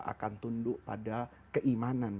akan tunduk pada keimanan